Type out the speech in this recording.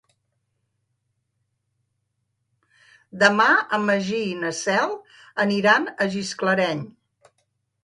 Demà en Magí i na Cel aniran a Gisclareny.